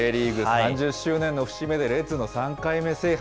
３０周年目の節目でレッズの３回目制覇。